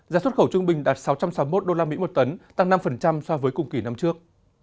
giá xuất khẩu trung bình đạt sáu trăm sáu mươi một usd một tấn tăng năm so với cùng kỳ năm trước